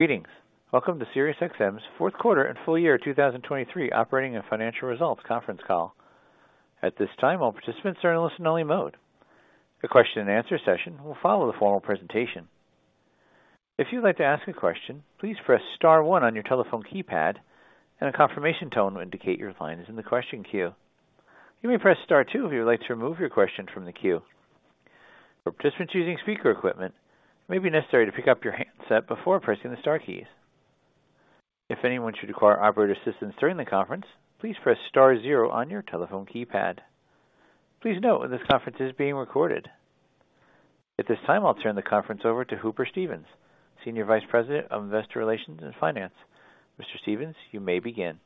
Greetings. Welcome to SiriusXM's Q4 and full year 2023 operating and financial results conference call. At this time, all participants are in listen-only mode. A question-and-answer session will follow the formal presentation. If you'd like to ask a question, please press * one on your telephone keypad, and a confirmation tone will indicate your line is in the question queue. You may press * two if you would like to remove your question from the queue. For participants using speaker equipment, it may be necessary to pick up your handset before pressing the star keys. If anyone should require operator assistance during the conference, please press * zero on your telephone keypad. Please note, this conference is being recorded. At this time, I'll turn the conference over to Hooper Stevens, Senior Vice President of Investor Relations and Finance. Mr. Stevens, you may begin.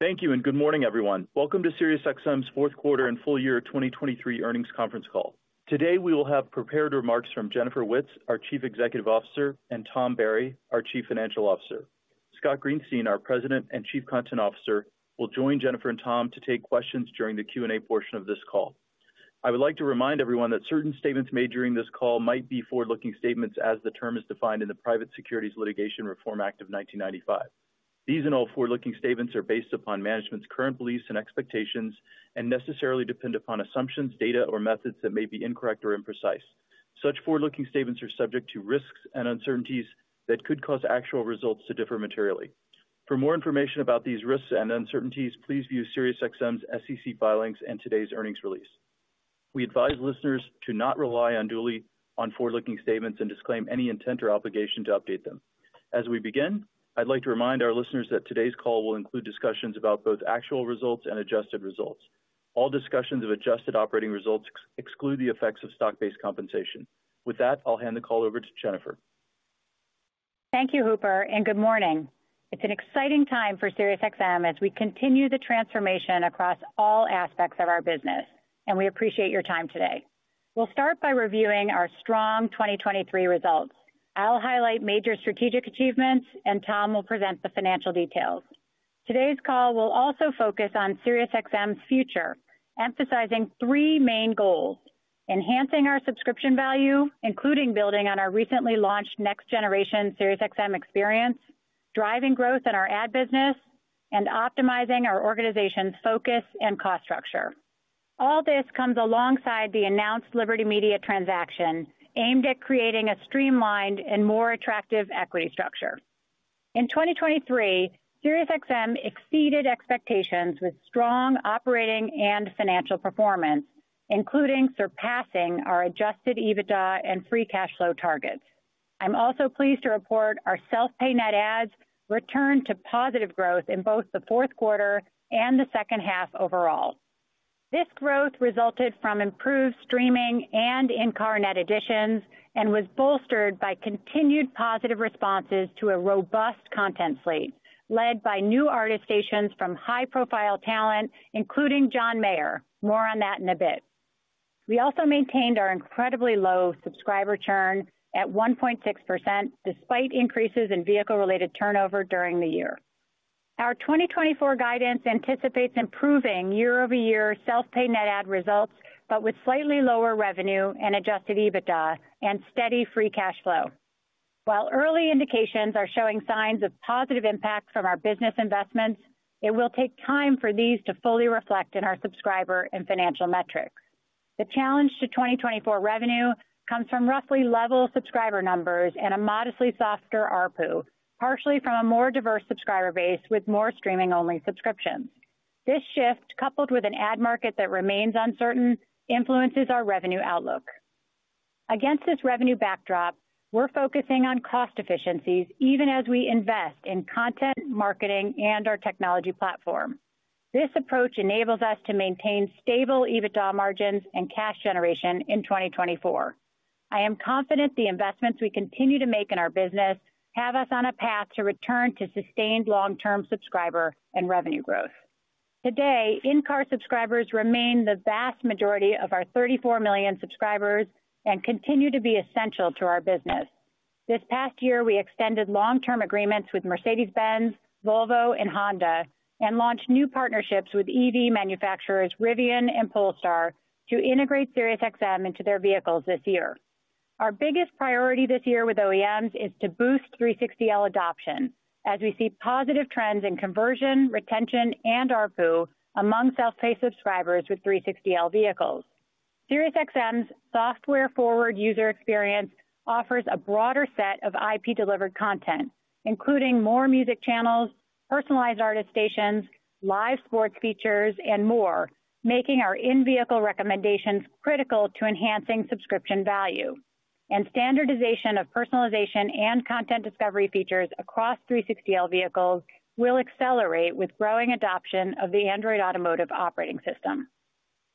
Thank you, and good morning, everyone. Welcome to SiriusXM's Q4 and full year 2023 earnings conference call. Today, we will have prepared remarks from Jennifer Witz, our Chief Executive Officer, and Tom Barry, our Chief Financial Officer. Scott Greenstein, our President and Chief Content Officer, will join Jennifer and Tom to take questions during the Q&A portion of this call. I would like to remind everyone that certain statements made during this call might be forward-looking statements as the term is defined in the Private Securities Litigation Reform Act of 1995. These and all forward-looking statements are based upon management's current beliefs and expectations and necessarily depend upon assumptions, data, or methods that may be incorrect or imprecise. Such forward-looking statements are subject to risks and uncertainties that could cause actual results to differ materially. For more information about these risks and uncertainties, please view SiriusXM's SEC filings and today's earnings release. We advise listeners to not rely unduly on forward-looking statements and disclaim any intent or obligation to update them. As we begin, I'd like to remind our listeners that today's call will include discussions about both actual results and adjusted results. All discussions of adjusted operating results exclude the effects of stock-based compensation. With that, I'll hand the call over to Jennifer. Thank you, Hooper, and good morning. It's an exciting time for SiriusXM as we continue the transformation across all aspects of our business, and we appreciate your time today. We'll start by reviewing our strong 2023 results. I'll highlight major strategic achievements, and Tom will present the financial details. Today's call will also focus on SiriusXM's future, emphasizing three main goals: enhancing our subscription value, including building on our recently launched next generation SiriusXM experience, driving growth in our ad business, and optimizing our organization's focus and cost structure. All this comes alongside the announced Liberty Media transaction, aimed at creating a streamlined and more attractive equity structure. In 2023, SiriusXM exceeded expectations with strong operating and financial performance, including surpassing our adjusted EBITDA and free cash flow targets. I'm also pleased to report our self-pay net adds returned to positive growth in both the Q4 and the second half overall. This growth resulted from improved streaming and in-car net additions and was bolstered by continued positive responses to a robust content slate, led by new artist stations from high-profile talent, including John Mayer. More on that in a bit. We also maintained our incredibly low subscriber churn at 1.6%, despite increases in vehicle-related turnover during the year. Our 2024 guidance anticipates improving year-over-year self-pay net add results, but with slightly lower revenue and adjusted EBITDA and steady free cash flow. While early indications are showing signs of positive impact from our business investments, it will take time for these to fully reflect in our subscriber and financial metrics. The challenge to 2024 revenue comes from roughly level subscriber numbers and a modestly softer ARPU, partially from a more diverse subscriber base with more streaming-only subscriptions. This shift, coupled with an ad market that remains uncertain, influences our revenue outlook. Against this revenue backdrop, we're focusing on cost efficiencies even as we invest in content, marketing, and our technology platform. This approach enables us to maintain stable EBITDA margins and cash generation in 2024. I am confident the investments we continue to make in our business have us on a path to return to sustained long-term subscriber and revenue growth. Today, in-car subscribers remain the vast majority of our 34 million subscribers and continue to be essential to our business. This past year, we extended long-term agreements with Mercedes-Benz, Volvo, and Honda and launched new partnerships with EV manufacturers Rivian and Polestar to integrate SiriusXM into their vehicles this year. Our biggest priority this year with OEMs is to boost 360L adoption as we see positive trends in conversion, retention, and ARPU among self-pay subscribers with 360L vehicles. SiriusXM's software-forward user experience offers a broader set of IP-delivered content, including more music channels, personalized artist stations, live sports features, and more, making our in-vehicle recommendations critical to enhancing subscription value. Standardization of personalization and content discovery features across 360L vehicles will accelerate with growing adoption of the Android Automotive operating system.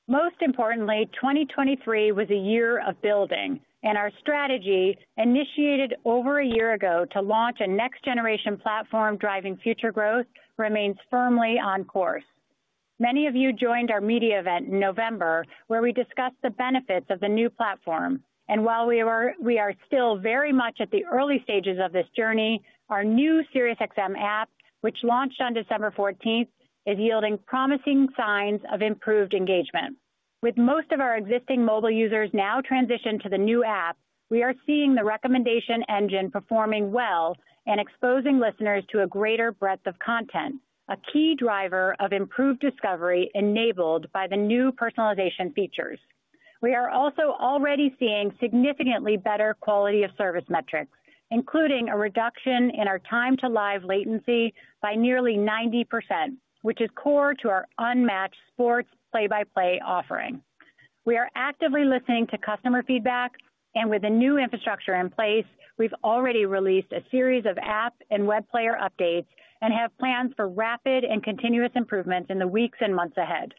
Most importantly, 2023 was a year of building, and our strategy, initiated over a year ago to launch a next-generation platform driving future growth, remains firmly on course. Many of you joined our media event in November, where we discussed the benefits of the new platform, and while we are still very much at the early stages of this journey, our new SiriusXM app, which launched on December fourteenth, is yielding promising signs of improved engagement. With most of our existing mobile users now transitioned to the new app, we are seeing the recommendation engine performing well and exposing listeners to a greater breadth of content, a key driver of improved discovery enabled by the new personalization features. We are also already seeing significantly better quality of service metrics, including a reduction in our time to live latency by nearly 90%, which is core to our unmatched sports play-by-play offering. We are actively listening to customer feedback, and with the new infrastructure in place, we've already released a series of app and web player updates and have plans for rapid and continuous improvements in the weeks and months ahead.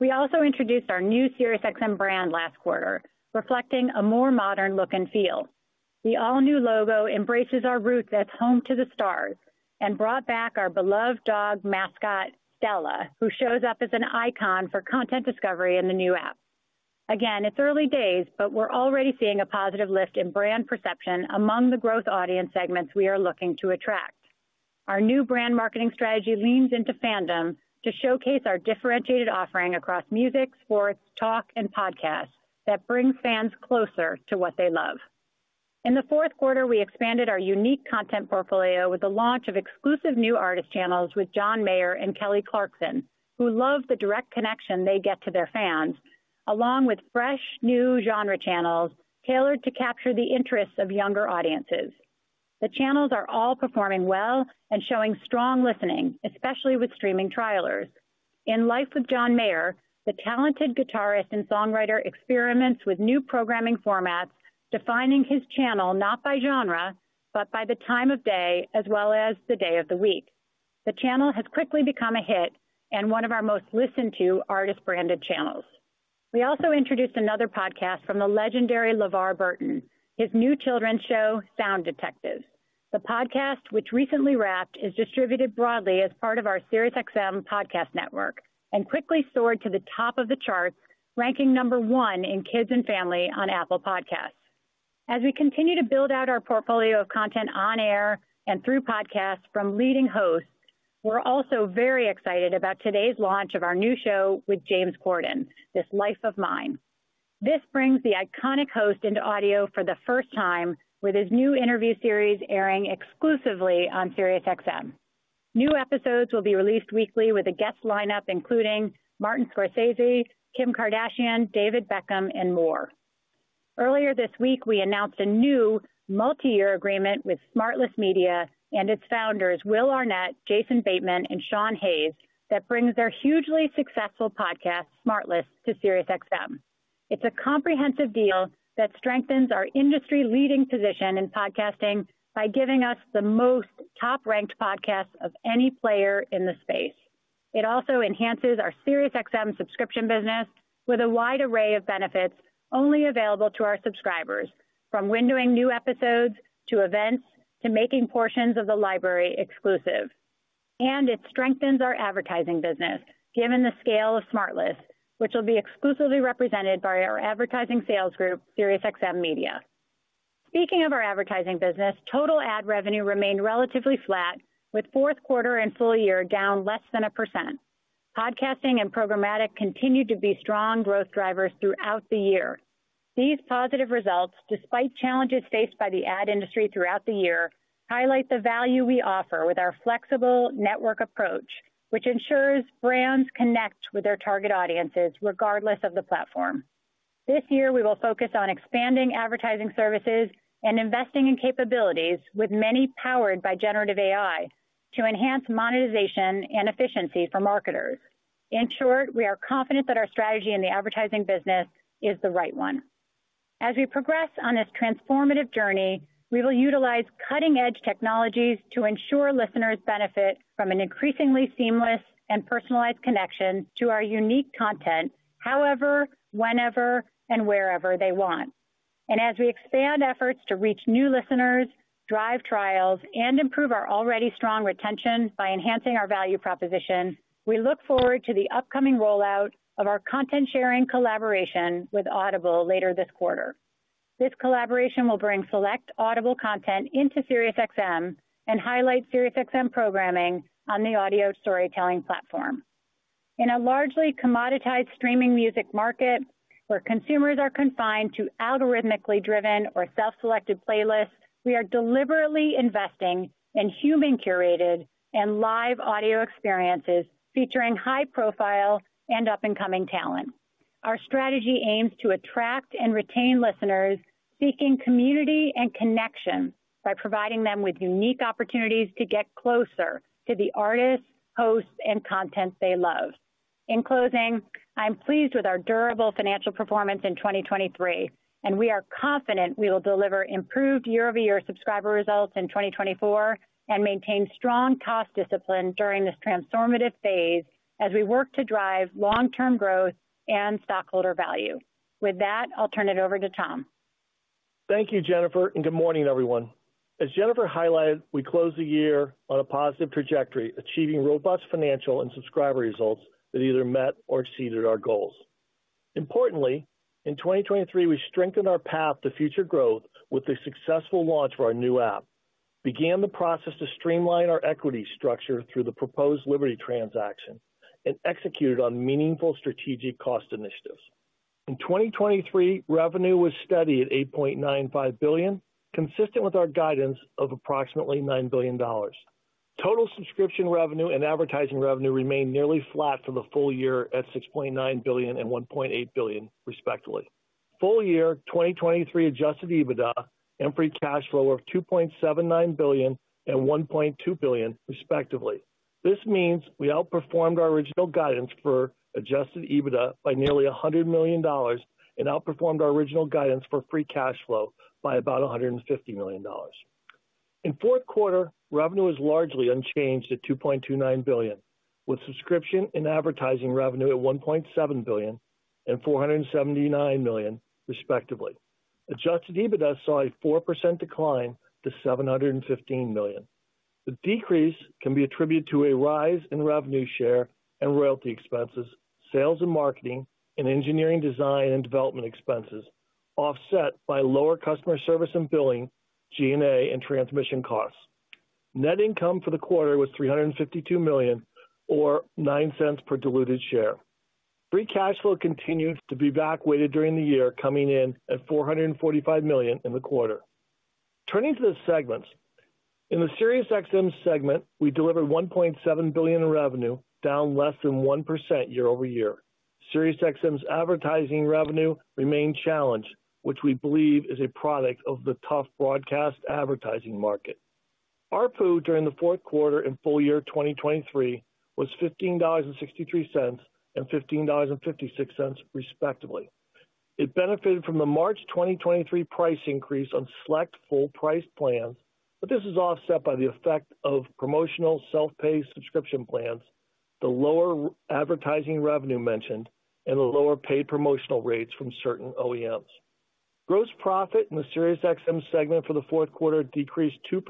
We also introduced our new SiriusXM brand last quarter, reflecting a more modern look and feel. The all-new logo embraces our roots as home to the stars and brought back our beloved dog mascot, Stella, who shows up as an icon for content discovery in the new app. Again, it's early days, but we're already seeing a positive lift in brand perception among the growth audience segments we are looking to attract. Our new brand marketing strategy leans into fandom to showcase our differentiated offering across music, sports, talk, and podcasts that bring fans closer to what they love. In the Q4, we expanded our unique content portfolio with the launch of exclusive new artist channels with John Mayer and Kelly Clarkson, who love the direct connection they get to their fans, along with fresh, new genre channels tailored to capture the interests of younger audiences. The channels are all performing well and showing strong listening, especially with streaming trialers. In Life with John Mayer, the talented guitarist and songwriter experiments with new programming formats, defining his channel not by genre, but by the time of day as well as the day of the week. The channel has quickly become a hit and one of our most listened to artist-branded channels. We also introduced another podcast from the legendary LeVar Burton, his new children's show, Sound Detectives. The podcast, which recently wrapped, is distributed broadly as part of our SiriusXM Podcast Network and quickly soared to the top of the charts, ranking number one in kids and family on Apple Podcasts. As we continue to build out our portfolio of content on air and through podcasts from leading hosts, we're also very excited about today's launch of our new show with James Corden, This Life of Mine. This brings the iconic host into audio for the first time, with his new interview series airing exclusively on SiriusXM. New episodes will be released weekly with a guest lineup including Martin Scorsese, Kim Kardashian, David Beckham, and more. Earlier this week, we announced a new multiyear agreement with SmartLess Media and its founders, Will Arnett, Jason Bateman, and Sean Hayes, that brings their hugely successful podcast, SmartLess, to SiriusXM. It's a comprehensive deal that strengthens our industry-leading position in podcasting by giving us the most top-ranked podcasts of any player in the space. It also enhances our SiriusXM subscription business with a wide array of benefits only available to our subscribers, from windowing new episodes, to events, to making portions of the library exclusive. It strengthens our advertising business, given the scale of SmartLess, which will be exclusively represented by our advertising sales group, SiriusXM Media. Speaking of our advertising business, total ad revenue remained relatively flat, with Q4 and full year down less than 1%. Podcasting and programmatic continued to be strong growth drivers throughout the year. These positive results, despite challenges faced by the ad industry throughout the year, highlight the value we offer with our flexible network approach, which ensures brands connect with their target audiences regardless of the platform. This year, we will focus on expanding advertising services and investing in capabilities, with many powered by generative AI, to enhance monetization and efficiency for marketers. In short, we are confident that our strategy in the advertising business is the right one. As we progress on this transformative journey, we will utilize cutting-edge technologies to ensure listeners benefit from an increasingly seamless and personalized connection to our unique content, however, whenever, and wherever they want. As we expand efforts to reach new listeners, drive trials, and improve our already strong retention by enhancing our value proposition, we look forward to the upcoming rollout of our content-sharing collaboration with Audible later this quarter. This collaboration will bring select Audible content into SiriusXM and highlight SiriusXM programming on the audio storytelling platform. In a largely commoditized streaming music market, where consumers are confined to algorithmically driven or self-selected playlists, we are deliberately investing in human-curated and live audio experiences featuring high profile and up-and-coming talent. Our strategy aims to attract and retain listeners seeking community and connection by providing them with unique opportunities to get closer to the artists, hosts, and content they love. In closing, I'm pleased with our durable financial performance in 2023, and we are confident we will deliver improved year-over-year subscriber results in 2024 and maintain strong cost discipline during this transformative phase as we work to drive long-term growth and stockholder value. With that, I'll turn it over to Tom. Thank you, Jennifer, and good morning, everyone. As Jennifer highlighted, we closed the year on a positive trajectory, achieving robust financial and subscriber results that either met or exceeded our goals. Importantly, in 2023, we strengthened our path to future growth with the successful launch of our new app.... began the process to streamline our equity structure through the proposed Liberty transaction and executed on meaningful strategic cost initiatives. In 2023, revenue was steady at $8.95 billion, consistent with our guidance of approximately $9 billion. Total subscription revenue and advertising revenue remained nearly flat for the full year at $6.9 billion and $1.8 billion, respectively. Full year 2023 adjusted EBITDA and free cash flow of $2.79 billion and $1.2 billion, respectively. This means we outperformed our original guidance for adjusted EBITDA by nearly $100 million and outperformed our original guidance for free cash flow by about $150 million. In Q4, revenue was largely unchanged at $2.29 billion, with subscription and advertising revenue at $1.7 billion and $479 million, respectively. Adjusted EBITDA saw a 4% decline to $715 million. The decrease can be attributed to a rise in revenue share and royalty expenses, sales and marketing, and engineering design and development expenses, offset by lower customer service and billing, G&A and transmission costs. Net income for the quarter was $352 million, or $0.09 per diluted share. Free cash flow continued to be back weighted during the year, coming in at $445 million in the quarter. Turning to the segments. In the SiriusXM segment, we delivered $1.7 billion in revenue, down less than 1% year-over-year. SiriusXM's advertising revenue remained challenged, which we believe is a product of the tough broadcast advertising market. ARPU during the Q4 and full year 2023 was $15.63, and $15.56, respectively. It benefited from the March 2023 price increase on select full price plans, but this is offset by the effect of promotional self-pay subscription plans, the lower advertising revenue mentioned, and the lower paid promotional rates from certain OEMs. Gross profit in the SiriusXM segment for the Q4 decreased 2%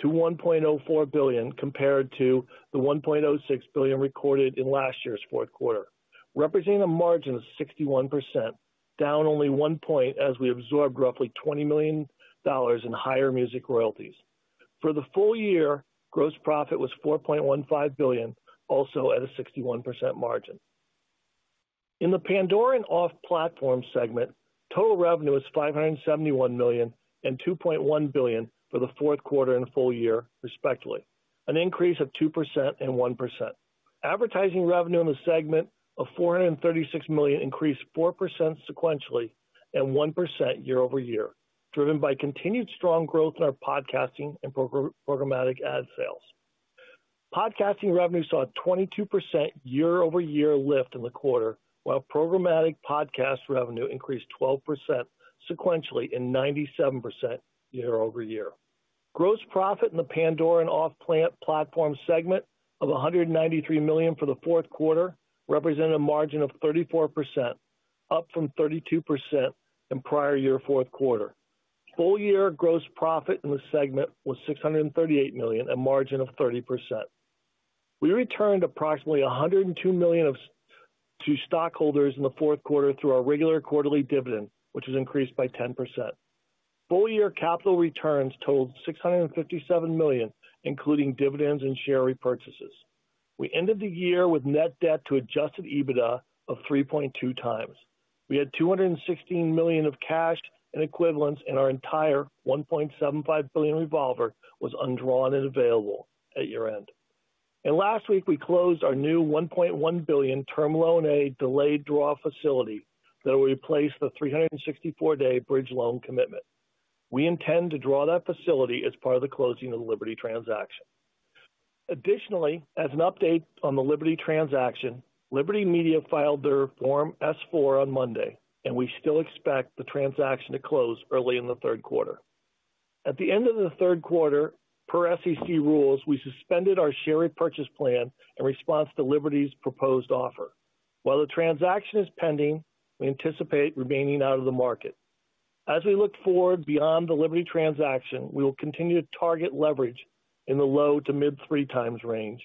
to $1.04 billion, compared to the $1.06 billion recorded in last year's Q4, representing a margin of 61%, down only 1 point as we absorbed roughly $20 million in higher music royalties. For the full year, gross profit was $4.15 billion, also at a 61% margin. In the Pandora and Off-Platform segment, total revenue is $571 million and $2.1 billion for the Q4 and full year, respectively, an increase of 2% and 1%. Advertising revenue in the segment of $436 million increased 4% sequentially and 1% year-over-year, driven by continued strong growth in our podcasting and programmatic ad sales. Podcasting revenue saw a 22% year-over-year lift in the quarter, while programmatic podcast revenue increased 12% sequentially and 97% year-over-year. Gross profit in the Pandora and Off-Platform segment of $193 million for the Q4 represented a margin of 34%, up from 32% in prior year Q4. Full year gross profit in the segment was $638 million, a margin of 30%. We returned approximately $102 million back to stockholders in the Q4 through our regular quarterly dividend, which was increased by 10%. Full year capital returns totaled $657 million, including dividends and share repurchases. We ended the year with net debt to adjusted EBITDA of 3.2 times. We had $216 million of cash and equivalents, and our entire $1.75 billion revolver was undrawn and available at year-end. Last week, we closed our new $1.1 billion term loan, a delayed draw facility that will replace the 364-day bridge loan commitment. We intend to draw that facility as part of the closing of the Liberty transaction. Additionally, as an update on the Liberty transaction, Liberty Media filed their Form S-4 on Monday, and we still expect the transaction to close early in the Q3. At the end of the Q3, per SEC rules, we suspended our share repurchase plan in response to Liberty's proposed offer. While the transaction is pending, we anticipate remaining out of the market. As we look forward beyond the Liberty transaction, we will continue to target leverage in the low- to mid-3x range,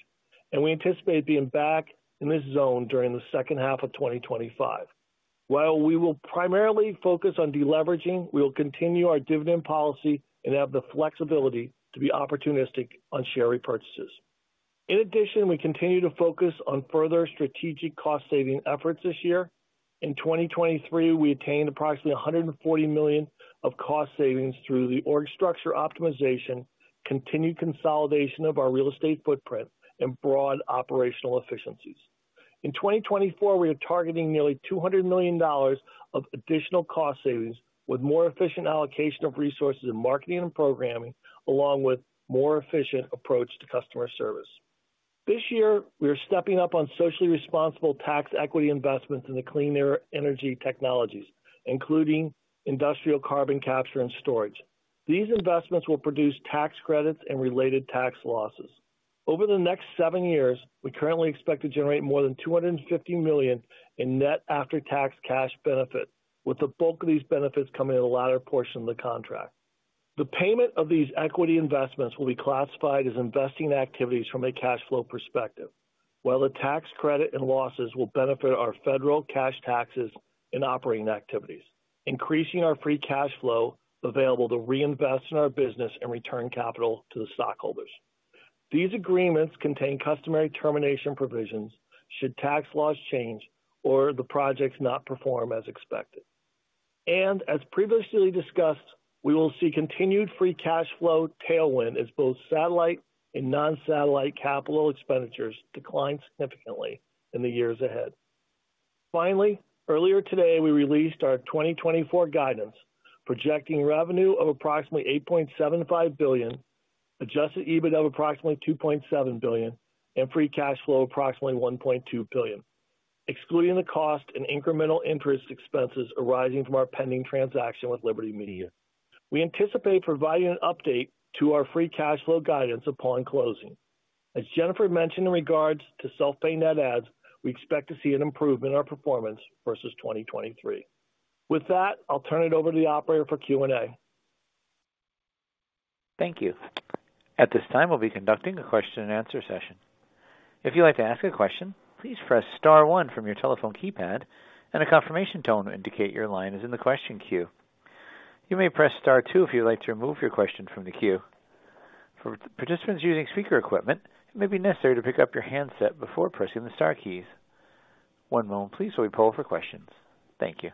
and we anticipate being back in this zone during the second half of 2025. While we will primarily focus on deleveraging, we will continue our dividend policy and have the flexibility to be opportunistic on share repurchases. In addition, we continue to focus on further strategic cost-saving efforts this year. In 2023, we attained approximately $140 million of cost savings through the org structure optimization, continued consolidation of our real estate footprint and broad operational efficiencies. In 2024, we are targeting nearly $200 million of additional cost savings, with more efficient allocation of resources in marketing and programming, along with more efficient approach to customer service. This year, we are stepping up on socially responsible tax equity investments in the clean air energy technologies, including industrial carbon capture and storage. These investments will produce tax credits and related tax losses. Over the next seven years, we currently expect to generate more than $250 million in net after-tax cash benefit, with the bulk of these benefits coming in the latter portion of the contract. The payment of these equity investments will be classified as investing activities from a cash flow perspective, while the tax credit and losses will benefit our federal cash taxes and operating activities, increasing our free cash flow available to reinvest in our business and return capital to the stockholders. These agreements contain customary termination provisions should tax laws change or the projects not perform as expected. As previously discussed, we will see continued free cash flow tailwind as both satellite and non-satellite capital expenditures decline significantly in the years ahead. Finally, earlier today, we released our 2024 guidance, projecting revenue of approximately $8.75 billion, adjusted EBITDA of approximately $2.7 billion and free cash flow approximately $1.2 billion, excluding the cost and incremental interest expenses arising from our pending transaction with Liberty Media. We anticipate providing an update to our free cash flow guidance upon closing. As Jennifer mentioned, in regards to self-pay net adds, we expect to see an improvement in our performance versus 2023. With that, I'll turn it over to the operator for Q&A. Thank you. At this time, we'll be conducting a question-and-answer session. If you'd like to ask a question, please press * one from your telephone keypad, and a confirmation tone will indicate your line is in the question queue. You may press * two if you'd like to remove your question from the queue. For participants using speaker equipment, it may be necessary to pick up your handset before pressing the star keys. One moment please, while we poll for questions. Thank you.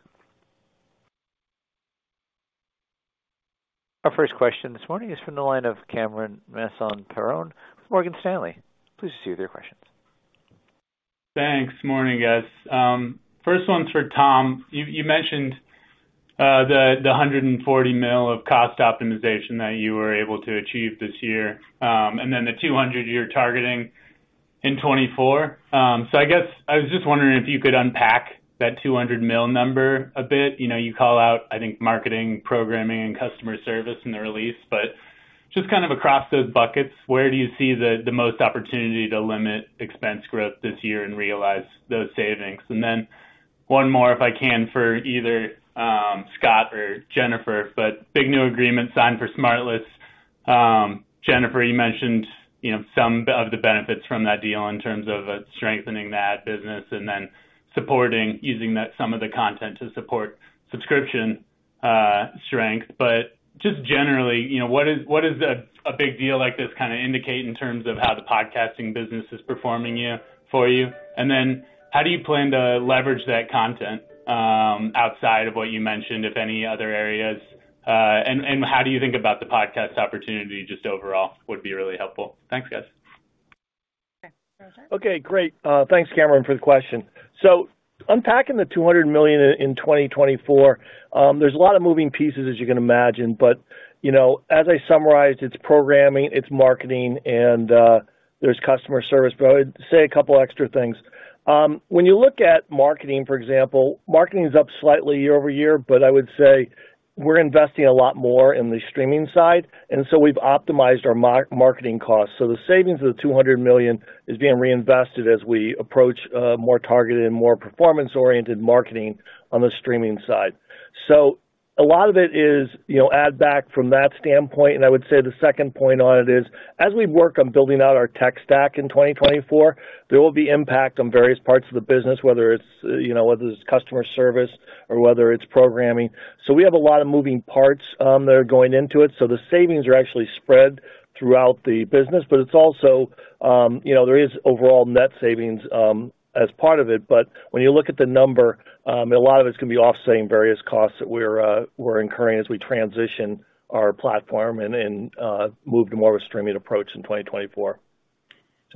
Our first question this morning is from the line of Cameron Perron with Morgan Stanley. Please proceed with your questions. Thanks. Morning, guys. First one's for Tom. You mentioned the $140 million of cost optimization that you were able to achieve this year, and then the $200 million you're targeting in 2024. So I guess I was just wondering if you could unpack that $200 million number a bit. You know, you call out, I think, marketing, programming and customer service in the release, but just kind of across those buckets, where do you see the most opportunity to limit expense growth this year and realize those savings? And then one more, if I can, for either Scott or Jennifer, but big new agreement signed for SmartLess. Jennifer, you mentioned, you know, some of the benefits from that deal in terms of strengthening the ad business and then supporting using that, some of the content to support subscription strength. But just generally, you know, what is, what is a big deal like this kinda indicate in terms of how the podcasting business is performing for you? And then how do you plan to leverage that content outside of what you mentioned, if any other areas, and how do you think about the podcast opportunity just overall? Would be really helpful. Thanks, guys. Okay, great. Thanks, Cameron, for the question. So unpacking the $200 million in 2024, there's a lot of moving pieces, as you can imagine, but, you know, as I summarized, it's programming, it's marketing, and there's customer service. But I would say a couple extra things. When you look at marketing, for example, marketing is up slightly year-over-year, but I would say we're investing a lot more in the streaming side, and so we've optimized our marketing costs. So the savings of the $200 million is being reinvested as we approach more targeted and more performance-oriented marketing on the streaming side. So a lot of it is, you know, add back from that standpoint. I would say the second point on it is, as we work on building out our tech stack in 2024, there will be impact on various parts of the business, whether it's, you know, whether it's customer service or whether it's programming. So we have a lot of moving parts that are going into it. So the savings are actually spread throughout the business, but it's also, you know, there is overall net savings as part of it. But when you look at the number, a lot of it's going to be offsetting various costs that we're incurring as we transition our platform and move to more of a streaming approach in 2024.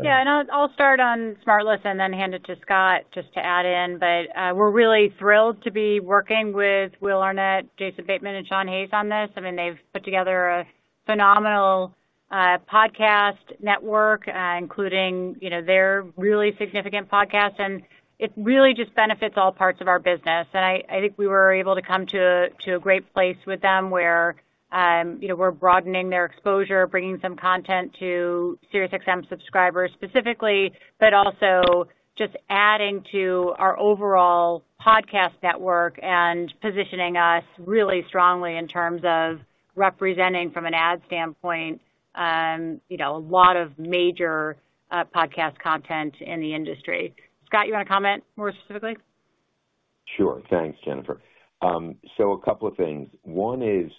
Yeah, and I'll start on SmartLess and then hand it to Scott just to add in, but we're really thrilled to be working with Will Arnett, Jason Bateman, and Sean Hayes on this. I mean, they've put together a phenomenal podcast network, including, you know, their really significant podcast, and it really just benefits all parts of our business. And I think we were able to come to a great place with them, where, you know, we're broadening their exposure, bringing some content to SiriusXM subscribers specifically, but also just adding to our overall podcast network and positioning us really strongly in terms of representing from an ad standpoint, you know, a lot of major podcast content in the industry. Scott, you want to comment more specifically? Sure. Thanks, Jennifer. So a couple of things. One is,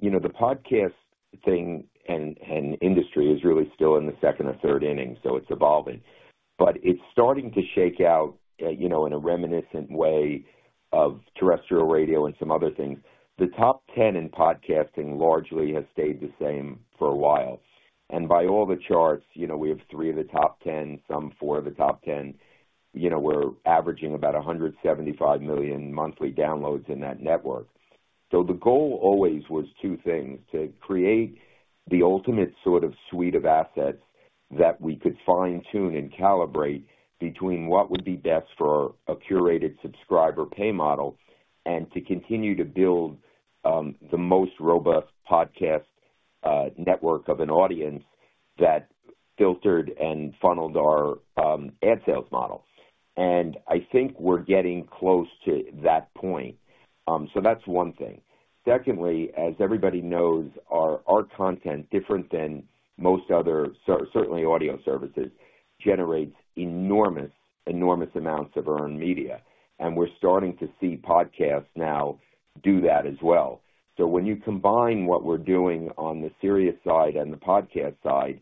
you know, the podcast thing and industry is really still in the second or third inning, so it's evolving, but it's starting to shake out, you know, in a reminiscent way of terrestrial radio and some other things. The top ten in podcasting largely has stayed the same for a while, and by all the charts, you know, we have three of the top ten, some four of the top ten. You know, we're averaging about 175 million monthly downloads in that network. So the goal always was two things, to create the ultimate sort of suite of assets that we could fine-tune and calibrate between what would be best for a curated subscriber pay model and to continue to build the most robust podcast network of an audience that filtered and funneled our ad sales model. And I think we're getting close to that point. So that's one thing. Secondly, as everybody knows, our, our content, different than most other certainly audio services, generates enormous, enormous amounts of earned media, and we're starting to see podcasts now do that as well. So when you combine what we're doing on the Sirius side and the podcast side,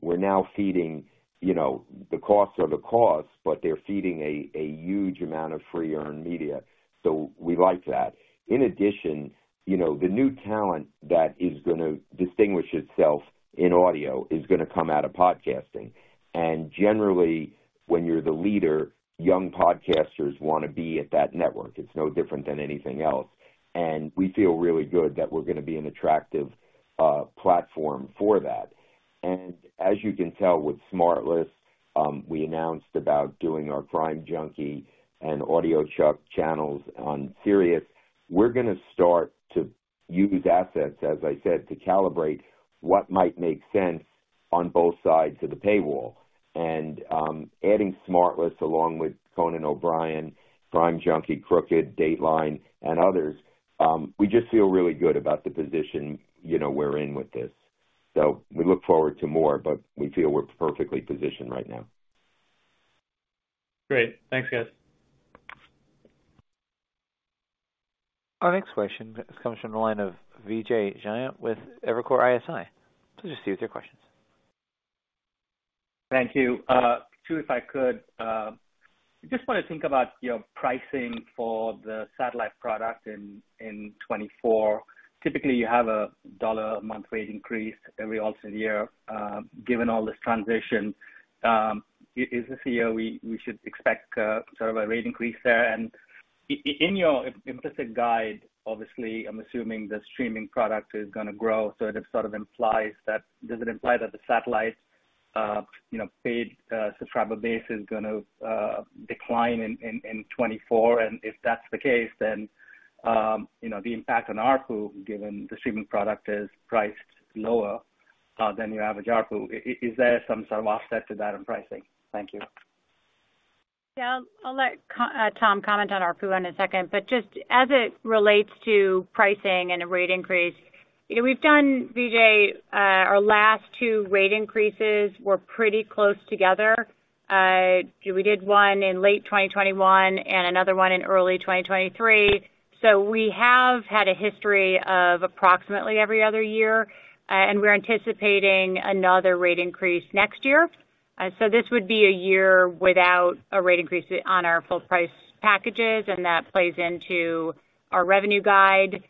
we're now feeding, you know, the costs are the costs, but they're feeding a huge amount of free earned media. So we like that. In addition, you know, the new talent that is going to distinguish itself in audio is going to come out of podcasting. And generally, when you're the leader, young podcasters want to be at that network. It's no different than anything else, and we feel really good that we're going to be an attractive platform for that. And as you can tell with SmartLess, we announced about doing our Crime Junkie and audiochuck channels on Sirius. We're going to start to use assets, as I said, to calibrate what might make sense on both sides of the paywall. And adding SmartLess along with Conan O'Brien, Crime Junkie, Crooked, Dateline, and others, we just feel really good about the position, you know, we're in with this. So we look forward to more, but we feel we're perfectly positioned right now. Great. Thanks, guys. Our next question comes from the line of Vijay Jayant with Evercore ISI. Please proceed with your questions. Thank you. Two, if I could. I just want to think about your pricing for the satellite product in 2024. Typically, you have a $1 a month rate increase every alternate year. Given all this transition, is this a year we should expect sort of a rate increase there? And in your implicit guide, obviously, I'm assuming the streaming product is going to grow, so it sort of implies that - does it imply that the satellite, you know, paid subscriber base is going to decline in 2024? And if that's the case, then, you know, the impact on ARPU, given the streaming product is priced lower than your average ARPU. Is there some sort of offset to that in pricing? Thank you. Yeah. I'll let Tom comment on ARPU in a second, but just as it relates to pricing and a rate increase, you know, we've done, Vijay, our last two rate increases were pretty close together. We did one in late 2021 and another one in early 2023. So we have had a history of approximately every other year, and we're anticipating another rate increase next year. So this would be a year without a rate increase on our full price packages, and that plays into our revenue guide.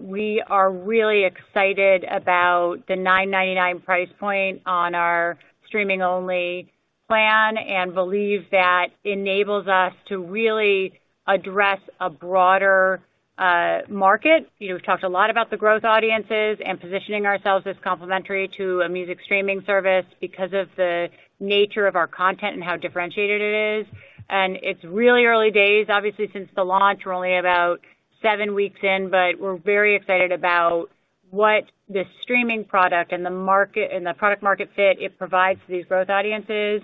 We are really excited about the $9.99 price point on our streaming-only plan and believe that enables us to really address a broader market. You know, we've talked a lot about the growth audiences and positioning ourselves as complementary to a music streaming service because of the nature of our content and how differentiated it is. And it's really early days. Obviously, since the launch, we're only about 7 weeks in, but we're very excited about what this streaming product and the market, and the product market fit it provides to these growth audiences,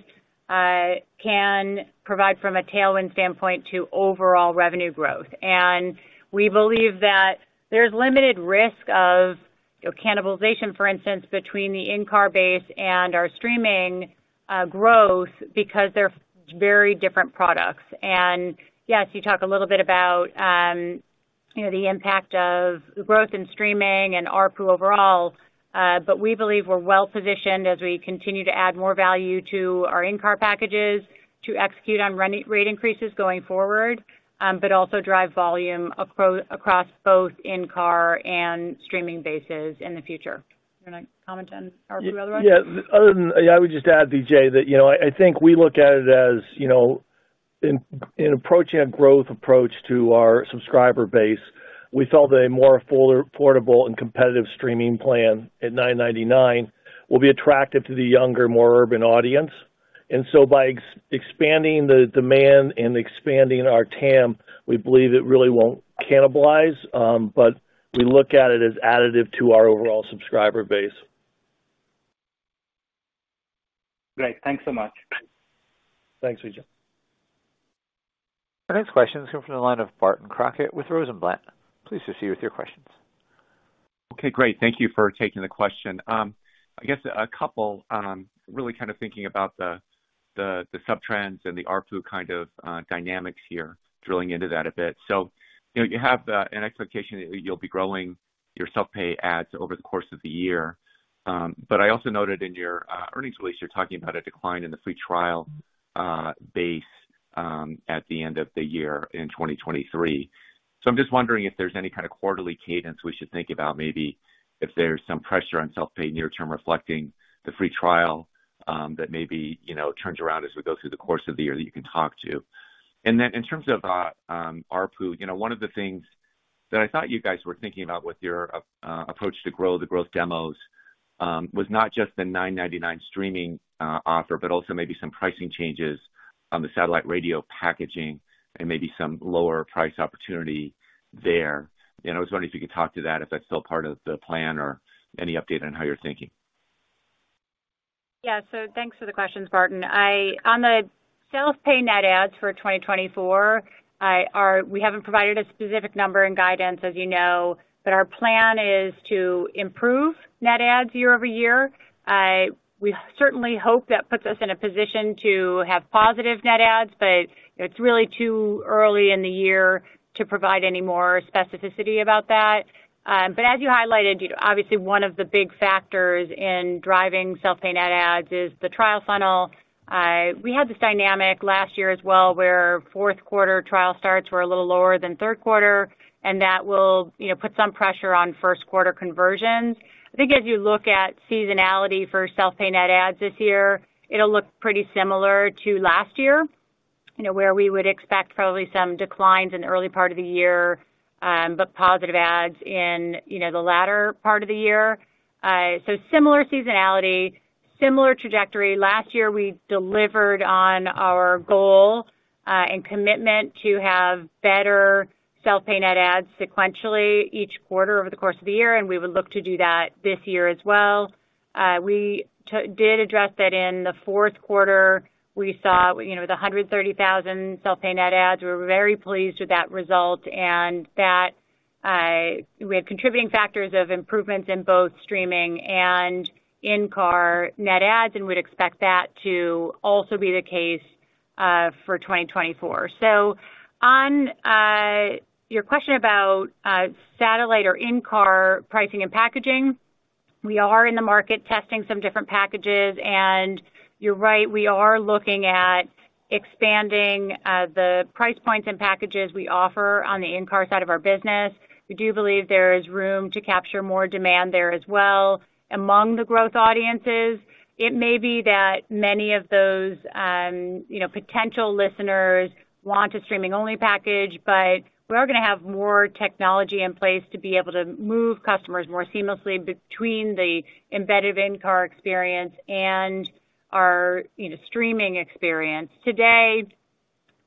can provide from a tailwind standpoint to overall revenue growth. And we believe that there's limited risk of cannibalization, for instance, between the in-car base and our streaming growth, because they're very different products. Yes, you talk a little bit about, you know, the impact of the growth in streaming and ARPU overall, but we believe we're well positioned as we continue to add more value to our in-car packages to execute on renewal rate increases going forward, but also drive volume across both in-car and streaming bases in the future. You want to comment on ARPU otherwise? Yeah. Other than... Yeah, I would just add, Vijay, that, you know, I think we look at it as, you know, in approaching a growth approach to our subscriber base, we felt that a more fuller, affordable and competitive streaming plan at $9.99 will be attractive to the younger, more urban audience. And so by expanding the demand and expanding our TAM, we believe it really won't cannibalize, but we look at it as additive to our overall subscriber base. Great. Thanks so much. Thanks, Vijay. Our next question is coming from the line of Barton Crockett with Rosenblatt. Please proceed with your questions. Okay, great. Thank you for taking the question. I guess a couple, really kind of thinking about the subtrends and the ARPU kind of dynamics here, drilling into that a bit. So you know, you have an expectation that you'll be growing your self-pay adds over the course of the year. But I also noted in your earnings release, you're talking about a decline in the free trial base at the end of the year in 2023. So I'm just wondering if there's any kind of quarterly cadence we should think about, maybe if there's some pressure on self-pay near term, reflecting the free trial that maybe, you know, turns around as we go through the course of the year that you can talk to. And then in terms of, ARPU, you know, one of the things that I thought you guys were thinking about with your, approach to grow the growth demos, was not just the $9.99 streaming, offer, but also maybe some pricing changes on the satellite radio packaging and maybe some lower price opportunity there. And I was wondering if you could talk to that, if that's still part of the plan or any update on how you're thinking? Yeah. So thanks for the questions, Barton. I, on the self-pay net adds for 2024, I—we haven't provided a specific number and guidance, as you know, but our plan is to improve net adds year-over-year. We certainly hope that puts us in a position to have positive net adds, but it's really too early in the year to provide any more specificity about that. But as you highlighted, obviously, one of the big factors in driving self-pay net adds is the trial funnel. We had this dynamic last year as well, where Q4 trial starts were a little lower than Q3, and that will, you know, put some pressure on Q1 conversions. I think as you look at seasonality for self-pay net adds this year, it'll look pretty similar to last year, you know, where we would expect probably some declines in the early part of the year, but positive adds in, you know, the latter part of the year. So similar seasonality, similar trajectory. Last year, we delivered on our goal, and commitment to have better self-pay net adds sequentially each quarter over the course of the year, and we would look to do that this year as well. We did address that in the Q4. We saw, you know, the 130,000 self-pay net adds. We were very pleased with that result and that, we had contributing factors of improvements in both streaming and in-car net adds, and we'd expect that to also be the case, for 2024. So, on your question about satellite or in-car pricing and packaging, we are in the market testing some different packages, and you're right, we are looking at expanding the price points and packages we offer on the in-car side of our business. We do believe there is room to capture more demand there as well. Among the growth audiences, it may be that many of those, you know, potential listeners want a streaming-only package, but we are gonna have more technology in place to be able to move customers more seamlessly between the embedded in-car experience and our, you know, streaming experience. Today,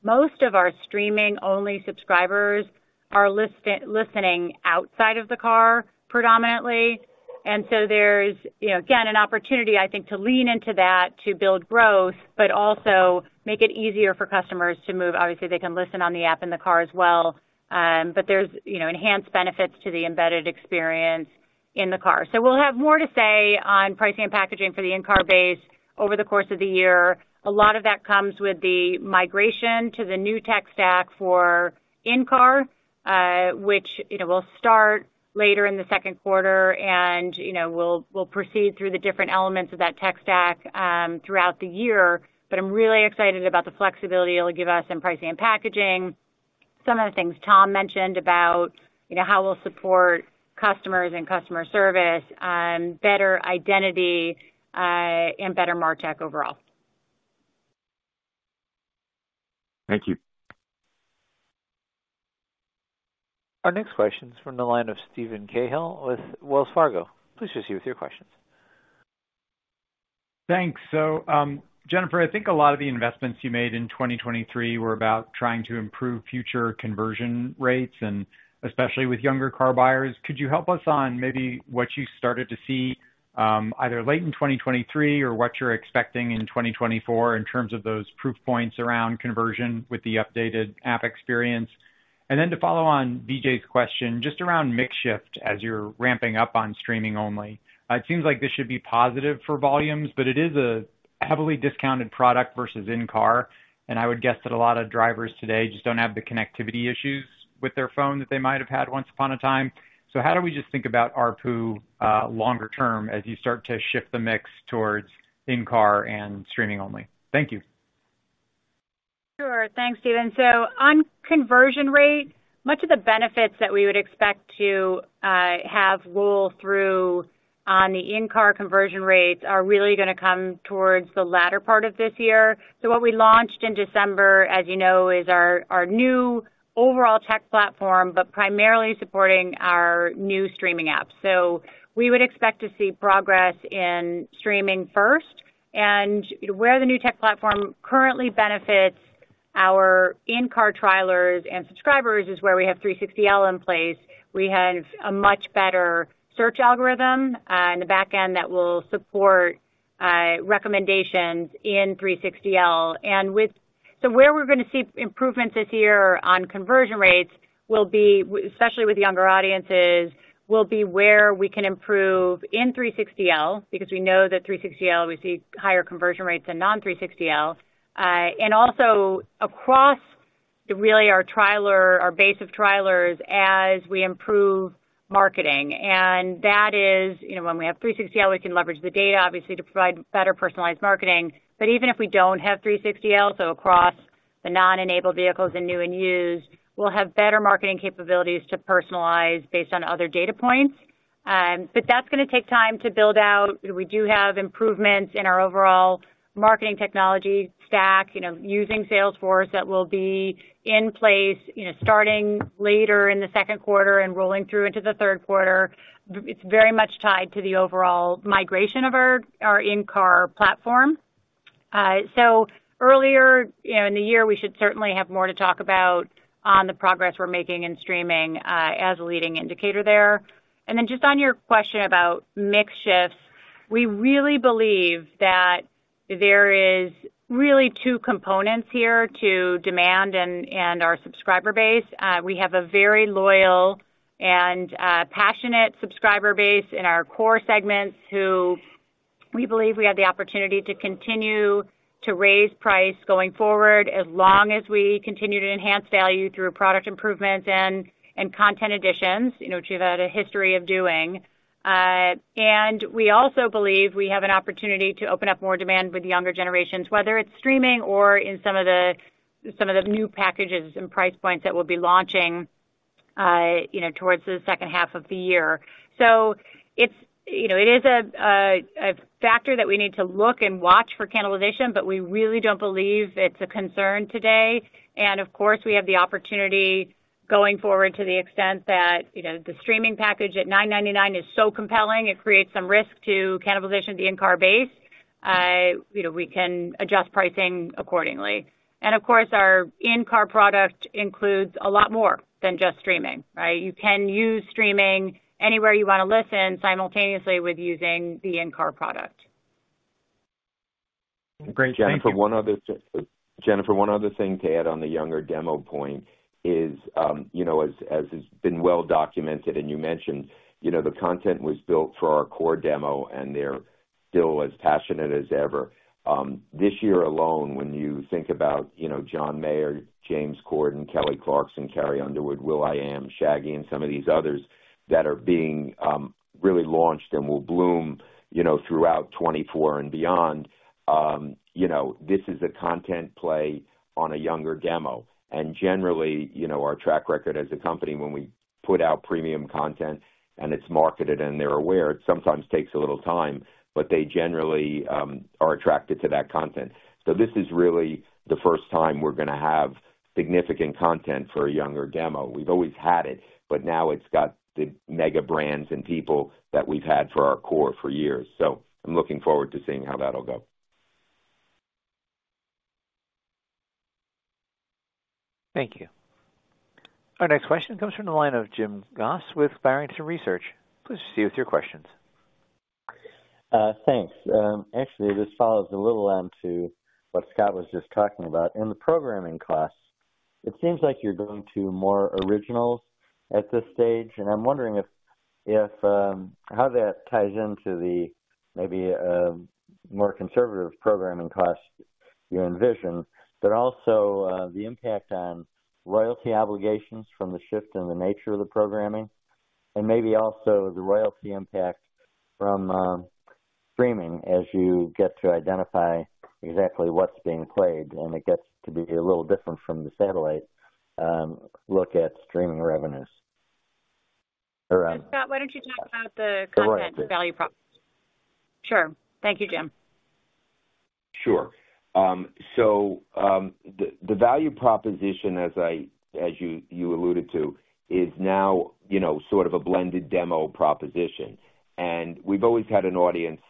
most of our streaming-only subscribers are listening outside of the car, predominantly. And so there's, you know, again, an opportunity, I think, to lean into that, to build growth, but also make it easier for customers to move. Obviously, they can listen on the app in the car as well, but there's, you know, enhanced benefits to the embedded experience in the car. So we'll have more to say on pricing and packaging for the in-car base over the course of the year. A lot of that comes with the migration to the new tech stack for in-car, which, you know, will start later in the Q2, and, you know, we'll proceed through the different elements of that tech stack throughout the year. But I'm really excited about the flexibility it'll give us in pricing and packaging. Some of the things Tom mentioned about, you know, how we'll support customers and customer service, better identity, and better martech overall. Thank you. Our next question is from the line of Steven Cahall with Wells Fargo. Please proceed with your questions. Thanks. So, Jennifer, I think a lot of the investments you made in 2023 were about trying to improve future conversion rates, and especially with younger car buyers. Could you help us on maybe what you started to see, either late in 2023 or what you're expecting in 2024 in terms of those proof points around conversion with the updated app experience? And then to follow on Vijay's question, just around mix shift as you're ramping up on streaming only. It seems like this should be positive for volumes, but it is a heavily discounted product versus in-car, and I would guess that a lot of drivers today just don't have the connectivity issues with their phone that they might have had once upon a time. How do we just think about ARPU longer term as you start to shift the mix towards in-car and streaming only? Thank you. Sure. Thanks, Steven. So on conversion rate, much of the benefits that we would expect to have roll through on the in-car conversion rates are really gonna come towards the latter part of this year. So what we launched in December, as you know, is our, our new overall tech platform, but primarily supporting our new streaming app. So we would expect to see progress in streaming first. And where the new tech platform currently benefits our in-car trialers and subscribers is where we have three 360L in place. We have a much better search algorithm in the back end that will support recommendations in 360 L. So where we're gonna see improvements this year on conversion rates will be, especially with younger audiences, will be where we can improve in 360L, because we know that 360L, we see higher conversion rates than non-360L. And also across really our trialer, our base of trialers as we improve marketing, and that is, you know, when we have 360L, we can leverage the data, obviously, to provide better personalized marketing. But even if we don't have 360L, so across the non-enabled vehicles in new and used, we'll have better marketing capabilities to personalize based on other data points. But that's gonna take time to build out. We do have improvements in our overall marketing technology stack, you know, using Salesforce that will be in place, you know, starting later in the Q2 and rolling through into the Q3. It's very much tied to the overall migration of our, our in-car platform. So earlier, you know, in the year, we should certainly have more to talk about on the progress we're making in streaming, as a leading indicator there. And then just on your question about mix shifts, we really believe that there is really two components here to demand and, and our subscriber base. We have a very loyal and, passionate subscriber base in our core segments, who we believe we have the opportunity to continue to raise price going forward, as long as we continue to enhance value through product improvements and, and content additions, you know, which we've had a history of doing. And we also believe we have an opportunity to open up more demand with younger generations, whether it's streaming or in some of the, some of the new packages and price points that we'll be launching, you know, towards the second half of the year. So it's, you know, it is a, a factor that we need to look and watch for cannibalization, but we really don't believe it's a concern today. Of course, we have the opportunity going forward to the extent that, you know, the streaming package at $9.99 is so compelling, it creates some risk to cannibalization of the in-car base. You know, we can adjust pricing accordingly. Of course, our in-car product includes a lot more than just streaming, right? You can use streaming anywhere you want to listen simultaneously with using the in-car product. Great. Thank you. Jennifer, one other thing to add on the younger demo point is, you know, as has been well documented and you mentioned, you know, the content was built for our core demo, and they're still as passionate as ever. This year alone, when you think about, you know, John Mayer, James Corden, Kelly Clarkson, Carrie Underwood, will.i.am, Shaggy, and some of these others that are being really launched and will bloom, you know, throughout 2024 and beyond, you know, this is a content play on a younger demo. And generally, you know, our track record as a company, when we put out premium content and it's marketed and they're aware, it sometimes takes a little time, but they generally are attracted to that content. So this is really the first time we're gonna have significant content for a younger demo. We've always had it, but now it's got the mega brands and people that we've had for our core for years. So I'm looking forward to seeing how that'll go. Thank you. Our next question comes from the line of Jim Goss with Barrington Research. Please proceed with your questions. Thanks. Actually, this follows a little on to what Scott was just talking about. In the programming class, it seems like you're going to more originals at this stage, and I'm wondering how that ties into the maybe more conservative programming costs you envision, but also the impact on royalty obligations from the shift in the nature of the programming, and maybe also the royalty impact from streaming as you get to identify exactly what's being played, and it gets to be a little different from the satellite look at streaming revenues. Around- Scott, why don't you talk about the content value prop? Sure. Thank you, Jim. Sure. The value proposition, as you alluded to, is now, you know, sort of a blended demo proposition. We've always had an audience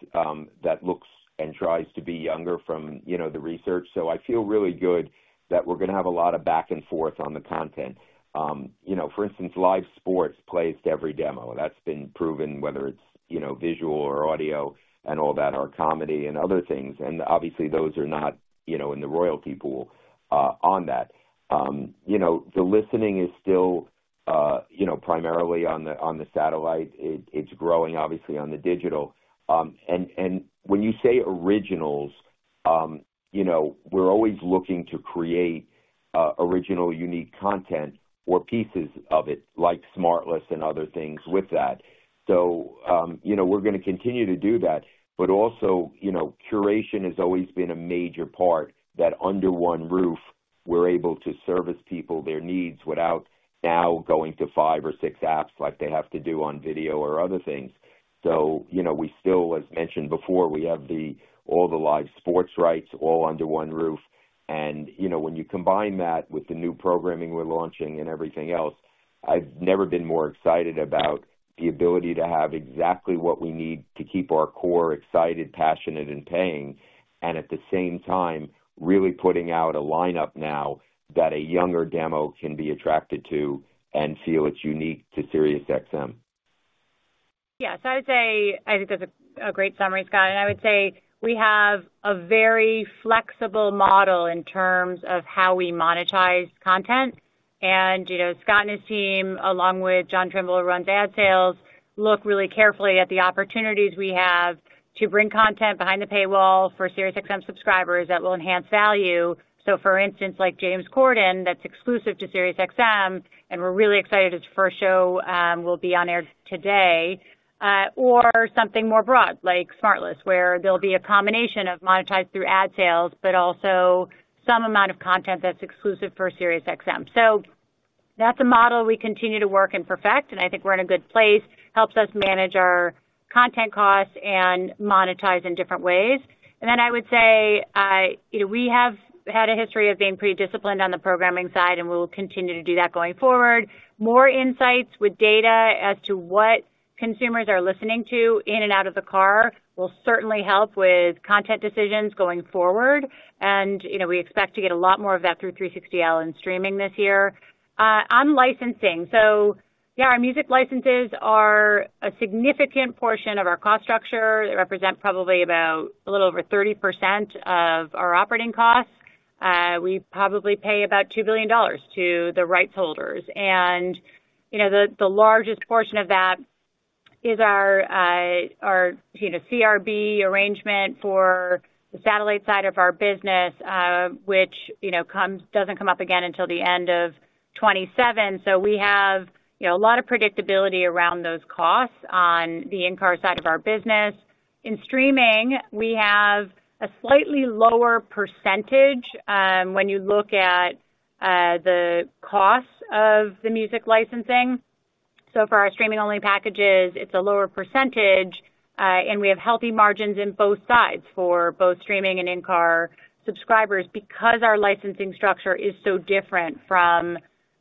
that looks and tries to be younger from, you know, the research. I feel really good that we're gonna have a lot of back and forth on the content. You know, for instance, live sports plays to every demo. That's been proven, whether it's, you know, visual or audio and all that, or comedy and other things. Obviously, those are not, you know, in the royalty pool on that. You know, the listening is still, you know, primarily on the satellite. It's growing, obviously, on the digital. And when you say originals, you know, we're always looking to create original, unique content or pieces of it, like SmartLess and other things with that. So, you know, we're gonna continue to do that. But also, you know, curation has always been a major part, that under one roof, we're able to service people their needs without now going to five or six apps like they have to do on video or other things. So, you know, we still, as mentioned before, we have all the live sports rights all under one roof. And you know, when you combine that with the new programming we're launching and everything else, I've never been more excited about the ability to have exactly what we need to keep our core excited, passionate, and paying. At the same time, really putting out a lineup now that a younger demo can be attracted to and feel it's unique to SiriusXM. Yeah. So I'd say I think that's a great summary, Scott, and I would say we have a very flexible model in terms of how we monetize content. And, you know, Scott and his team, along with John Trimble, who runs ad sales, look really carefully at the opportunities we have to bring content behind the paywall for SiriusXM subscribers that will enhance value. So for instance, like James Corden, that's exclusive to SiriusXM, and we're really excited his first show will be on air today, or something more broad, like SmartLess, where there'll be a combination of monetized through ad sales, but also some amount of content that's exclusive for SiriusXM. That's a model we continue to work and perfect, and I think we're in a good place. Helps us manage our content costs and monetize in different ways. Then I would say, you know, we have had a history of being pretty disciplined on the programming side, and we will continue to do that going forward. More insights with data as to what consumers are listening to in and out of the car will certainly help with content decisions going forward. And, you know, we expect to get a lot more of that through 360L in streaming this year. On licensing, so yeah, our music licenses are a significant portion of our cost structure. They represent probably about a little over 30% of our operating costs. We probably pay about $2 billion to the rights holders. You know, the largest portion of that is our, you know, CRB arrangement for the satellite side of our business, which, you know, comes, doesn't come up again until the end of 2027. So we have, you know, a lot of predictability around those costs on the in-car side of our business. In streaming, we have a slightly lower percentage, when you look at the cost of the music licensing. So for our streaming-only packages, it's a lower percentage, and we have healthy margins in both sides for both streaming and in-car subscribers because our licensing structure is so different from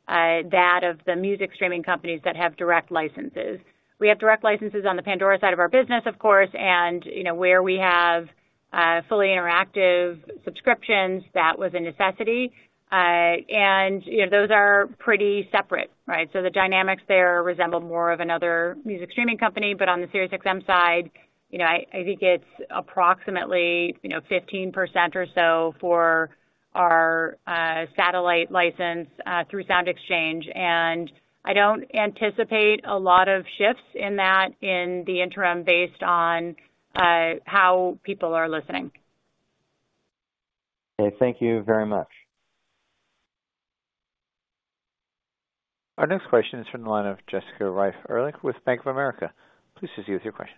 that of the music streaming companies that have direct licenses. We have direct licenses on the Pandora side of our business, of course, and, you know, where we have fully interactive subscriptions, that was a necessity. And, you know, those are pretty separate, right? So the dynamics there resemble more of another music streaming company. But on the SiriusXM side, you know, I think it's approximately, you know, 15% or so for our satellite license through SoundExchange, and I don't anticipate a lot of shifts in that in the interim based on how people are listening. Okay, thank you very much. Our next question is from the line of Jessica Reif Ehrlich with Bank of America. Please proceed with your question.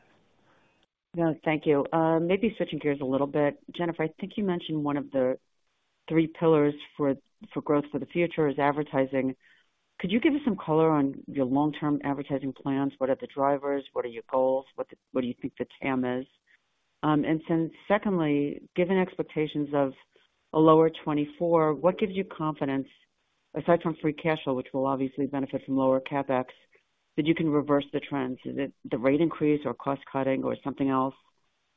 Yeah, thank you. Maybe switching gears a little bit. Jennifer, I think you mentioned one of the three pillars for, for growth for the future is advertising. Could you give us some color on your long-term advertising plans? What are the drivers? What are your goals? What, what do you think the TAM is? And then secondly, given expectations of a lower 2024, what gives you confidence, aside from free cash flow, which will obviously benefit from lower CapEx, that you can reverse the trends? Is it the rate increase or cost-cutting or something else?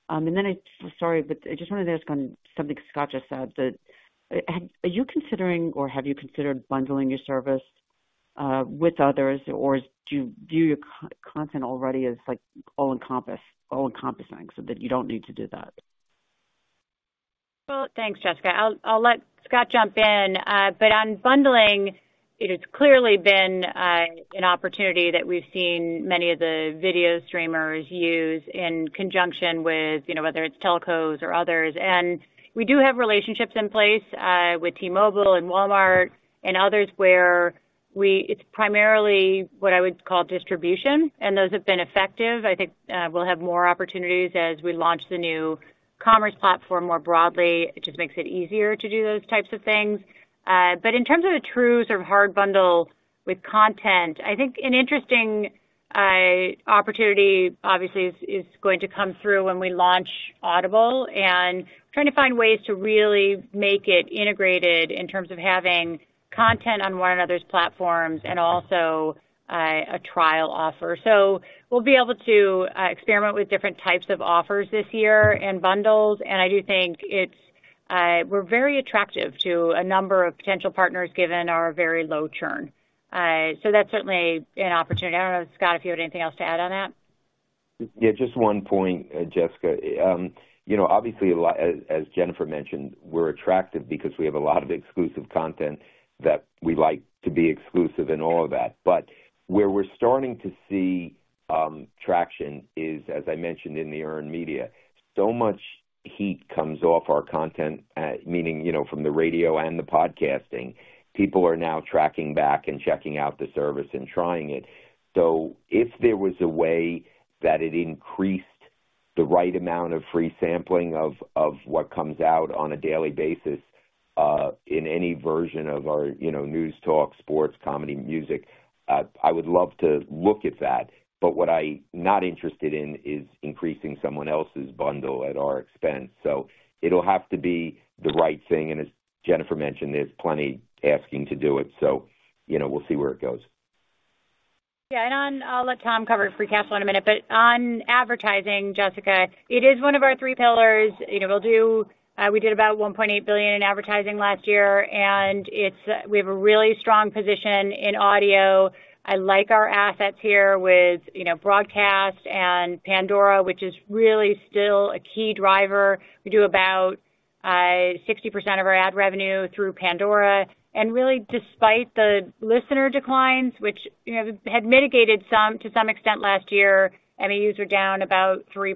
And then I... Sorry, but I just wanted to ask on something Scott just said, that, are you considering or have you considered bundling your service, with others, or do you view your core content already as, like, all-encompass, all-encompassing, so that you don't need to do that? Well, thanks, Jessica. I'll let Scott jump in. But on bundling, it has clearly been an opportunity that we've seen many of the video streamers use in conjunction with, you know, whether it's telcos or others. And we do have relationships in place with T-Mobile and Walmart and others where it's primarily what I would call distribution, and those have been effective. I think we'll have more opportunities as we launch the new commerce platform more broadly. It just makes it easier to do those types of things. But in terms of the true sort of hard bundle with content, I think an interesting opportunity, obviously, is going to come through when we launch Audible and trying to find ways to really make it integrated in terms of having content on one another's platforms and also a trial offer. So we'll be able to, experiment with different types of offers this year and bundles, and I do think it's, we're very attractive to a number of potential partners, given our very low churn. So that's certainly an opportunity. I don't know, Scott, if you had anything else to add on that. Yeah, just one point, Jessica. You know, obviously, a lot, as Jennifer mentioned, we're attractive because we have a lot of exclusive content that we like to be exclusive and all of that. But where we're starting to see traction is, as I mentioned in the earned media, so much heat comes off our content, meaning, you know, from the radio and the podcasting. People are now tracking back and checking out the service and trying it. So if there was a way that it increased the right amount of free sampling of what comes out on a daily basis, in any version of our, you know, news, talk, sports, comedy, music, I would love to look at that. But what I not interested in is increasing someone else's bundle at our expense. It'll have to be the right thing, and as Jennifer mentioned, there's plenty asking to do it, so, you know, we'll see where it goes. Yeah, and on, I'll let Tom cover free cash flow in a minute, but on advertising, Jessica, it is one of our three pillars. You know, we'll do, we did about $1.8 billion in advertising last year, and it's, we have a really strong position in audio. I like our assets here with, you know, broadcast and Pandora, which is really still a key driver. We do about, 60% of our ad revenue through Pandora, and really, despite the listener declines, which, you know, have had mitigated some, to some extent last year, MAUs were down about 3%.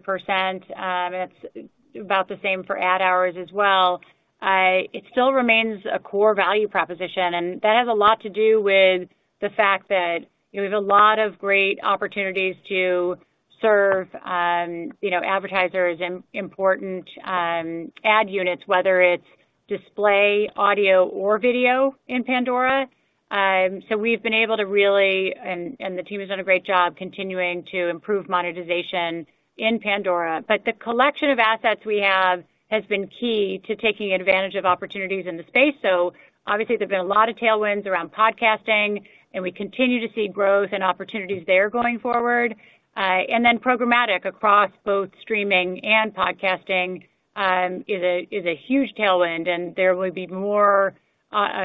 And it's about the same for ad hours as well. It still remains a core value proposition, and that has a lot to do with the fact that, you know, we have a lot of great opportunities to serve, you know, advertisers and important ad units, whether it's display audio or video in Pandora. So we've been able to really, and the team has done a great job continuing to improve monetization in Pandora. But the collection of assets we have has been key to taking advantage of opportunities in the space. So obviously, there's been a lot of tailwinds around podcasting, and we continue to see growth and opportunities there going forward. And then programmatic, across both streaming and podcasting, is a huge tailwind, and there will be more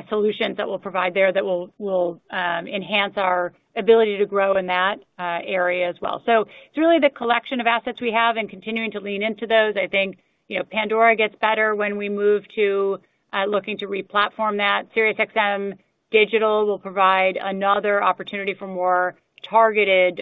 solutions that we'll provide there that will enhance our ability to grow in that area as well. So it's really the collection of assets we have and continuing to lean into those. I think, you know, Pandora gets better when we move to looking to re-platform that. SiriusXM Digital will provide another opportunity for more targeted,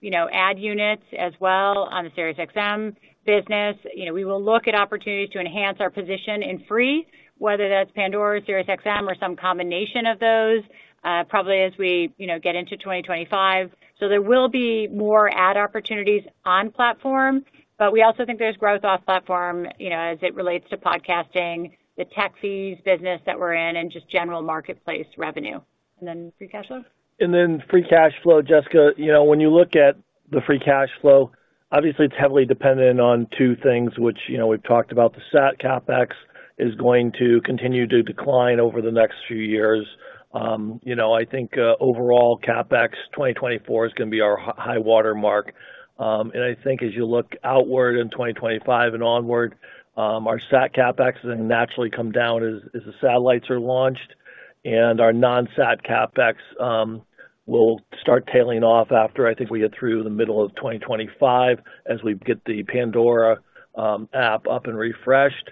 you know, ad units as well on the SiriusXM business. You know, we will look at opportunities to enhance our position in free, whether that's Pandora, SiriusXM, or some combination of those, probably as we, you know, get into 2025. So there will be more ad opportunities on platform, but we also think there's growth off platform, you know, as it relates to podcasting, the tech fees business that we're in, and just general marketplace revenue. And then free cash flow? Then free cash flow, Jessica, you know, when you look at the free cash flow, obviously it's heavily dependent on two things, which, you know, we've talked about. The Sat CapEx is going to continue to decline over the next few years. You know, I think overall, CapEx 2024 is gonna be our high water mark. And I think as you look outward in 2025 and onward, our Sat CapEx is gonna naturally come down as the satellites are launched, and our non-Sat CapEx will start tailing off after, I think, we get through the middle of 2025, as we get the Pandora app up and refreshed.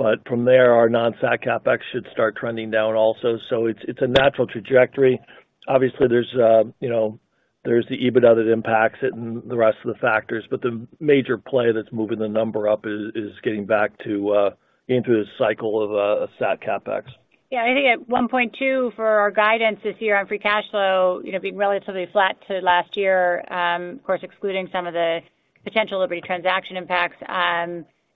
But from there, our non-Sat CapEx should start trending down also. So it's a natural trajectory. Obviously, there's a, you know, there's the EBITDA that impacts it and the rest of the factors, but the major play that's moving the number up is, is getting back to into the cycle of a Sat CapEx. Yeah, I think at $1.2 for our guidance this year on free cash flow, you know, being relatively flat to last year, of course, excluding some of the potential Liberty transaction impacts,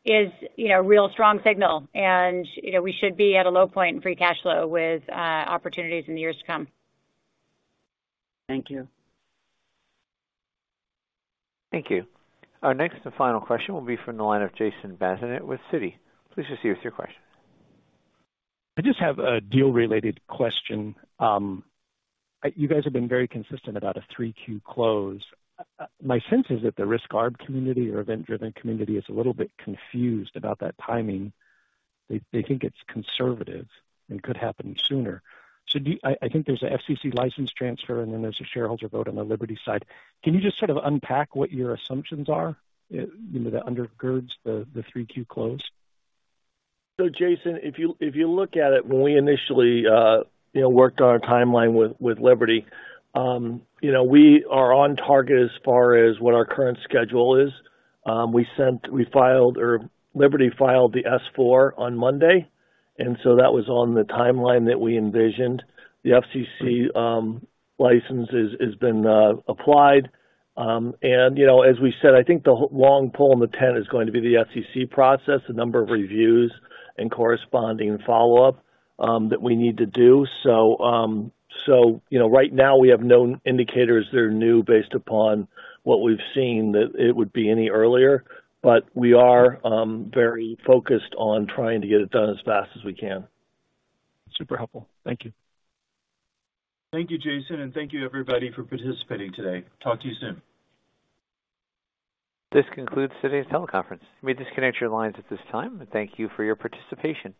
is, you know, a real strong signal. And, you know, we should be at a low point in free cash flow with opportunities in the years to come. Thank you. Thank you. Our next and final question will be from the line of Jason Bazinet with Citi. Please proceed with your question. I just have a deal-related question. You guys have been very consistent about a 3Q close. My sense is that the risk arb community or event-driven community is a little bit confused about that timing. They think it's conservative and could happen sooner. So do you? I think there's an FCC license transfer, and then there's a shareholder vote on the Liberty side. Can you just sort of unpack what your assumptions are, you know, that undergirds the 3Q close? So, Jason, if you, if you look at it, when we initially, you know, worked on our timeline with, with Liberty, you know, we are on target as far as what our current schedule is. We sent, we filed or Liberty filed the S-4 on Monday, and so that was on the timeline that we envisioned. The FCC license is, has been, applied. And, you know, as we said, I think the long pole in the tent is going to be the FCC process, the number of reviews and corresponding follow-up, that we need to do. So, so, you know, right now we have no indicators that are new, based upon what we've seen, that it would be any earlier, but we are, very focused on trying to get it done as fast as we can. Super helpful. Thank you. Thank you, Jason, and thank you, everybody, for participating today. Talk to you soon. This concludes today's teleconference. You may disconnect your lines at this time, and thank you for your participation.